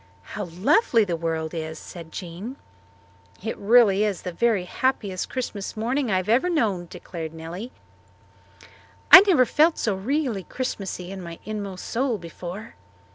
"How lovely the world is," said Jean. "This is really the very happiest Christmas morning I have ever known," declared Nellie. "I never felt so really Christmassy in my inmost soul before."